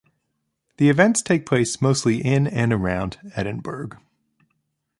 The events take place mostly in and around Edinburgh.